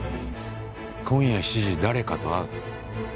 今夜７時誰かと会う。